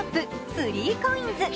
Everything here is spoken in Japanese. ・３ＣＯＩＮＳ。